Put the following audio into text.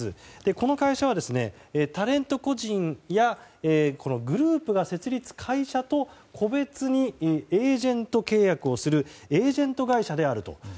この会社は、タレント個人やグループが設立した会社と個別にエージェント契約をするエージェント会社であると。